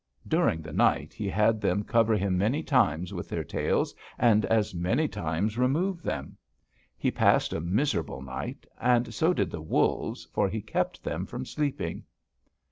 During the night he had them cover him many times with their tails, and as many times remove them. He passed a miserable night, and so did the wolves, for he kept them from sleeping.